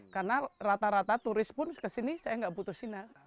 karena rata rata turis pun kesini saya tidak butuh sinyal